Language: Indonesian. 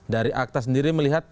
dari akta sendiri melihat